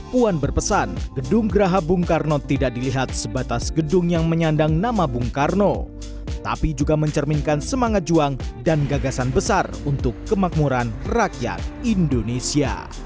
puan berharap gedung pertemuan baru yang menyandang nama presiden pertama indonesia itu dapat menjadi semangat baru bagi warga klaten dan sekitarnya untuk semakin berdikari